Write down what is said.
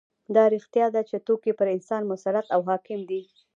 دا رښتیا ده چې توکي پر انسان مسلط او حاکم دي